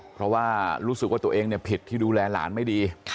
เพราะว่ารู้สึกว่าตัวเองผิดที่ดูแลหลานไม่ดี